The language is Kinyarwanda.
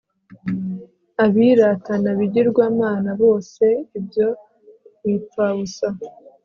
abiratana bigirwamana bose ibyo bipfabusa